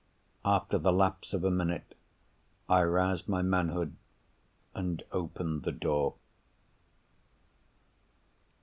After the lapse of a minute, I roused my manhood, and opened the door.